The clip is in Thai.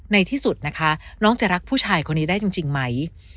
ในที่สุดนะคะน้องจะรักผู้ชายคนนี้ได้จริงไหม